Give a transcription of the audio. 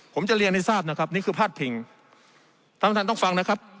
ผมจะเรียนให้ทราบนะครับนี่คือพาดพิงท่านประธานต้องฟังนะครับ